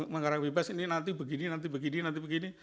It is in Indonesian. menggarang bebas ini nanti begini nanti begini nanti begini